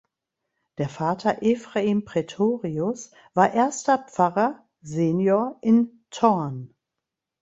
Der Vater Ephraim Praetorius war erster Pfarrer ("Senior") in Thorn.